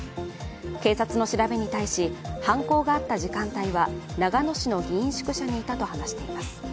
警察に調べに対し犯行があった時間帯は、長野市の議員宿舎にいたと話しています。